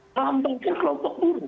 terhampang dari kelompok buruh